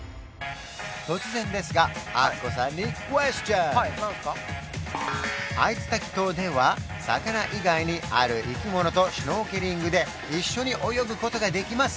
突然ですがアイツタキ島では魚以外にある生き物とシュノーケリングで一緒に泳ぐことができます